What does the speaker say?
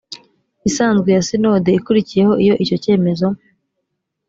isanzwe ya sinode ikurikiyeho iyo icyo cyemezo